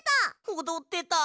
おどってた！